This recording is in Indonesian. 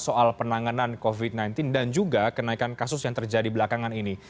soal penanganan covid sembilan belas dan juga kenaikan kasus yang terjadi belakangan ini